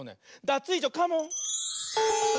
ダツイージョカモン！